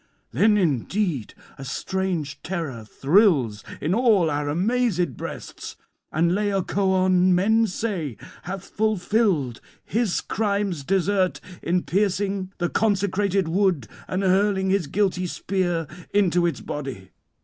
Then indeed a strange terror thrills in all our amazed breasts; and Laocoön, men say, hath fulfilled his crime's desert, in piercing the consecrated wood and hurling his guilty spear into its body.